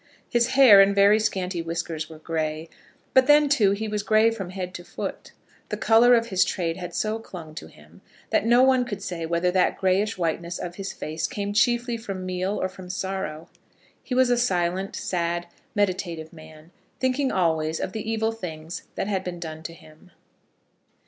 His hair and very scanty whiskers were gray; but, then too, he was gray from head to foot. The colour of his trade had so clung to him, that no one could say whether that grayish whiteness of his face came chiefly from meal or from sorrow. He was a silent, sad, meditative man, thinking always of the evil things that had been done to him.